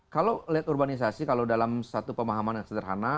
kalau lihat urbanisasi kalau dalam satu pemahaman yang sederhana